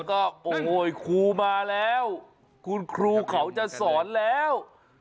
ก็โอ้โหครูมาแล้วคุณครูเขาจะสอนแล้ว